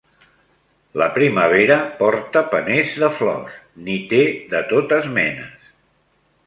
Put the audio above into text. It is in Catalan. La primavera, porta paners de flors; n'hi té de totes menes